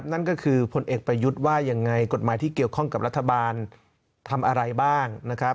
นั่นก็คือผลเอกประยุทธ์ว่ายังไงกฎหมายที่เกี่ยวข้องกับรัฐบาลทำอะไรบ้างนะครับ